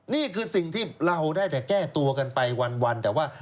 นี่คือสิ่งที่เราได้แต่แก้ตัวกันไปวันแต่ว่า